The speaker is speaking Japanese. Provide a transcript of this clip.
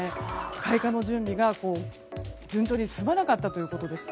開花の準備が順調に進まなかったということです。